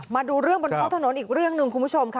มาดูเรื่องบนท้องถนนอีกเรื่องหนึ่งคุณผู้ชมค่ะ